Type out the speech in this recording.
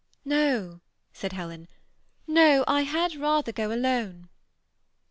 "No," said Helen, "no; I had rather go alone."